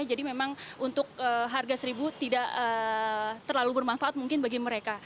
jadi memang untuk harga rp satu tidak terlalu bermanfaat mungkin bagi mereka